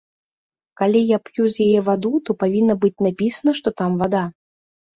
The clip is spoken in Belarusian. Калі я п'ю з яе ваду, то павінна быць напісана, што там вада.